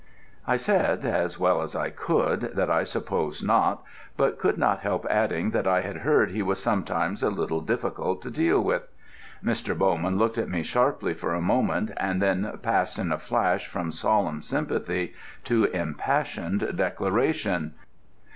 I said as well as I could that I supposed not, but could not help adding that I had heard he was sometimes a little difficult to deal with. Mr. Bowman looked at me sharply for a moment, and then passed in a flash from solemn sympathy to impassioned declamation.